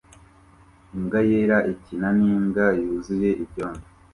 Imbwa yera ikina nimbwa yuzuye ibyondo